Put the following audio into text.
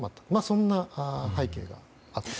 そんな背景があったかと。